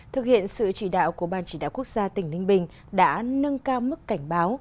thực hiện sự chỉ đạo của ban chỉ đạo quốc gia tỉnh ninh bình đã nâng cao mức cảnh báo